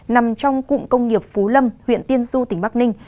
nằm trong cụm công nghiệp phú lâm huyện tiên du tỉnh bắc ninh